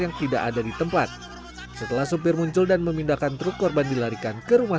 yang tidak ada di tempat setelah sopir muncul dan memindahkan truk korban dilarikan ke rumah